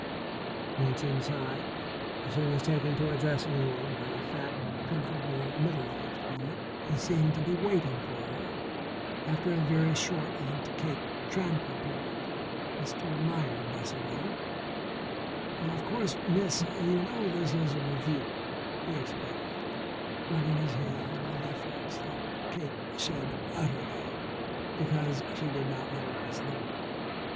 Once inside she was taken to a dressing room by a fat, comfortable, middle aged woman who seemed to be waiting for her. After a very short and, to Cake, tranquil period, Mr. Meier bustled in. "Of course, Miss, you know this is a Revue," he explained, rubbing his hands with a deference that Cake shed utterly, because she did not know it was there.